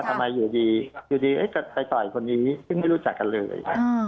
ทำไมอยู่ดีไปต่ออีกคนอีกไม่รู้จักกันเลย